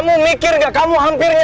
sedih bener ya misalnya